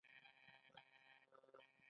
د جین مذهب په عدم تشدد ټینګار کاوه.